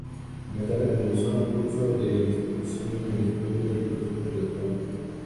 Más tarde comenzó un curso de instrucción en "Historia y Costumbres de Tonga".